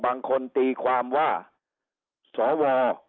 บางทีตีความว่าสว